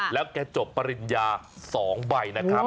แล้วแกจบปริญญา๒ใบนะครับ